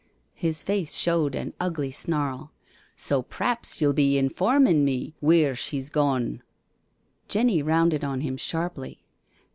His face showed an ugly snarl. " So p'raps you'll be informin' me wheer she's gone?" Jenny rounded on him sharply.